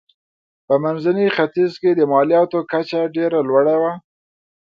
په منځني ختیځ کې د مالیاتو کچه ډېره لوړه وه.